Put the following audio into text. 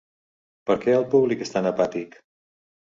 Per què el públic és tan apàtic?